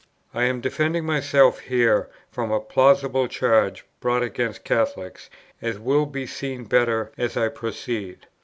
I am defending myself here from a plausible charge brought against Catholics, as will be seen better as I proceed.